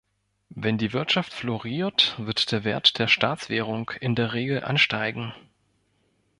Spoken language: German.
Wenn die Wirtschaft floriert, wird der Wert der Staatswährung in der Regel ansteigen.